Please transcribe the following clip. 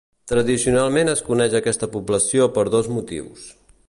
Tradicionalment es coneix aquesta població per dos motius.